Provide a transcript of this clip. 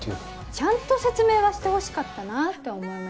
ちゃんと説明はしてほしかったなって思いました。